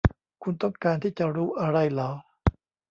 คุณต้องการที่จะรู้อะไรหรอ